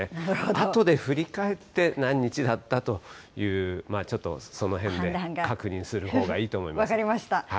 あとで振り返って何日だったと、ちょっとそのへんで確認する分かりました。